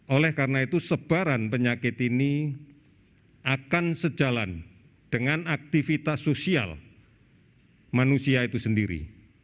oleh karena itu sebaran penyakit ini akan sejalan dengan aktivitas sosial manusia itu sendiri